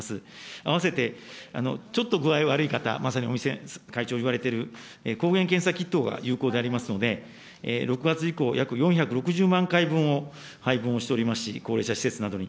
併せてちょっと具合悪い方、まさに尾身会長言われてる抗原検査キットが有効でありますので、６月以降、約４６０万回分を配分をしておりますし、高齢者施設などに。